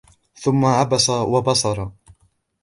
ثُمَّ عَبَسَ وَبَسَرَ